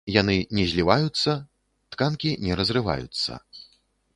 Яны не зліваюцца, тканкі не разрываюцца.